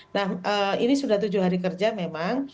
nah ini sudah tujuh hari kerja memang